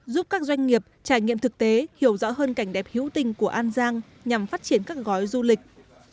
giúp các doanh nghiệp trải nghiệm thực tế hiểu rõ hơn cảnh đẹp hữu tình của an giang nhằm phát triển các gói du lịch